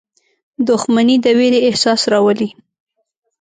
• دښمني د ویرې احساس راولي.